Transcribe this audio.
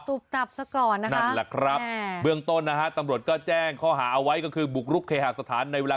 ตุบตับสักก่อนนะคะนั่นแหละครับแหละ